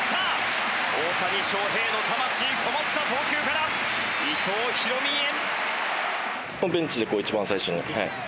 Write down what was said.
大谷翔平の魂込もった投球から伊藤大へ。